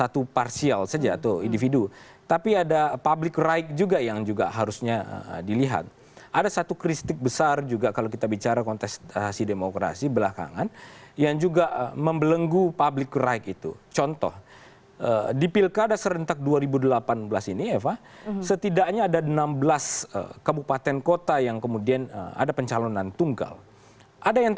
tetap bersama kami di layar pemilu terpercaya